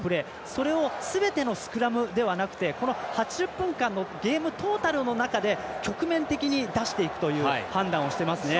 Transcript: それをすべてのスクラムではなくこの８０分間のゲームトータルの中で局面的に出していくという判断をしていますね。